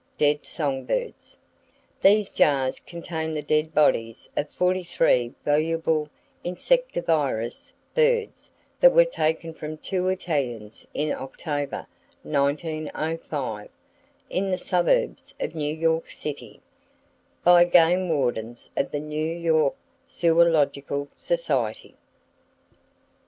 DEAD SONG BIRDS These jars contain the dead bodies of 43 valuable insectivorous birds that were taken from two Italians in October, 1905, in the suburbs of New York City, by game wardens of the New York Zoological Society.